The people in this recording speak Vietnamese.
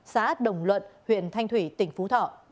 xã đồng luận huyện thanh thủy tỉnh phú thọ